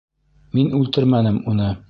Мин үлтермәнем уны.